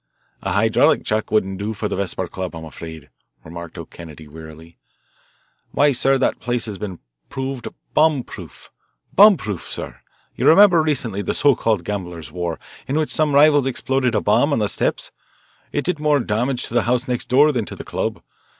"A hydraulic jack wouldn't do for the Vesper Club, I'm afraid," remarked O'Connor wearily. "Why, sir, that place has been proved bomb proof bomb proof, sir. You remember recently the so called 'gamblers' war' in which some rivals exploded a bomb on the steps? It did more damage to the house next door than to the club.